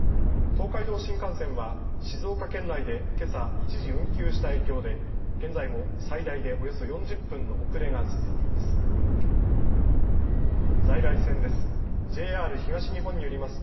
東海道新幹線は静岡県内でけさ、一時運休した影響で現在も最大でおよそ４０分の遅れが続いています。